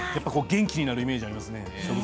元気になるイメージがありますね。